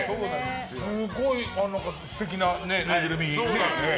すごい素敵なぬいぐるみね。